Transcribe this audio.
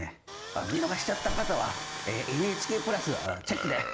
あっ見逃しちゃった方はＮＨＫプラスチェックで！